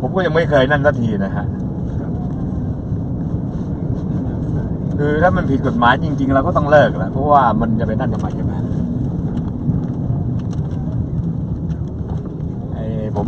ผมก็ยังไม่เคยนั่นสักทีถ้าผิดกฎหมายเราก็ต้องเลิกเพราะว่าจะไปนั่นอีกไหม